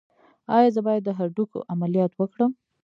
ایا زه باید د هډوکو عملیات وکړم؟